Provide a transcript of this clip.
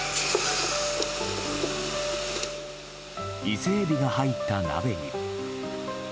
イセエビが入った鍋に。